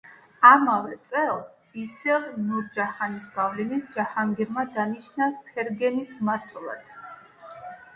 ამავე წელს, ისევ ნურ-ჯაჰანის გავლენით, ჯაჰანგირმა დანიშნა ფერგანის მმართველად.